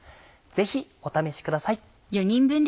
ぜひお試しください。